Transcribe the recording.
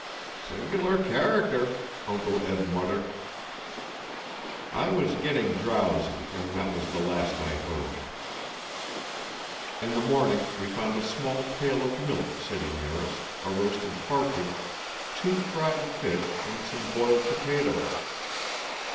'Sing'lar character!' Uncle Eb muttered. I was getting drowsy and that was the last I heard. In the morning we found a small pail of milk sitting near us, a roasted partridge, two fried fish and some boiled potatoes.